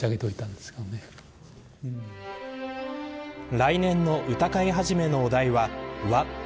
来年の歌会始めのお題は和。